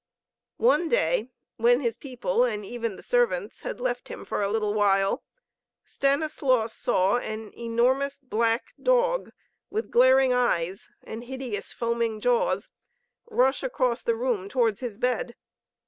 One day, when his people and even the servants had left him for a little while, Stanislaus saw an enormous black dog with glaring eyes and hideous foaming jaws rush across the room toward his bed.